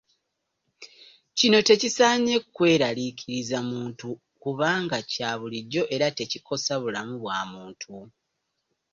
Kino tekisaanye kweraliikiriza muntu kubanga kya bulijjo era tekikosa bulamu bwa muntu.